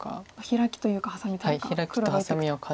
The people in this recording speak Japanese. ヒラキというかハサミというか。